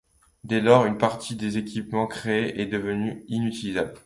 Dès lors, une partie des équipements créés est devenue inutilisable.